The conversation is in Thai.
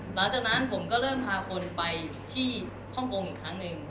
หลังจากนั้นผมก็เริ่มพาคนไปที่ฮ่องกงอีกครั้งหนึ่ง